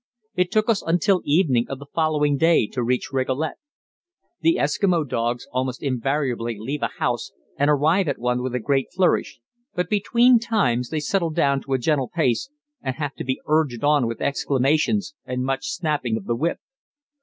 It took us until evening of the following day to reach Rigolet. The Eskimo dogs almost invariably leave a house and arrive at one with a great flourish, but between times they settle down to a gentle pace and have to be urged on with exclamations and much snapping of the whip.